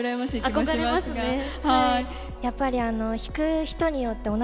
憧れますねはい。